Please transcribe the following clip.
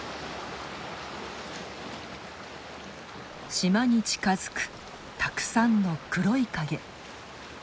島に近づくたくさんの黒い影。